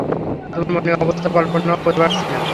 তোমার মনের অবস্থা কল্পনাও করতে পারছি না।